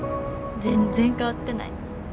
全然変わってない。